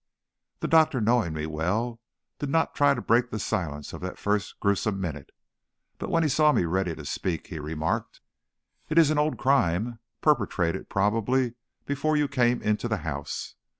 The doctor, knowing me well, did not try to break the silence of that first grewsome minute. But when he saw me ready to speak, he remarked: "It is an old crime, perpetrated, probably, before you came into the house.